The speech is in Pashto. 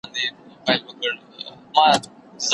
نه ښادي نه خوشالي خدای په لیدلې